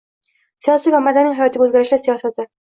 Siyosiy va madaniy hayotdagi o‘zgarishlar siyosati